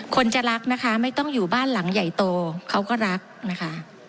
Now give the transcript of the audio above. คนจะรักนะคะไม่ต้องอยู่บ้านหลังใหญ่โตเขาก็รักนะคะ